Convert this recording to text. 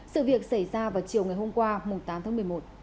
sự việc xảy ra vào chiều ngày hôm qua tám tháng một mươi một